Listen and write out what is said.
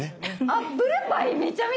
アップルパイめちゃめちゃいいですね。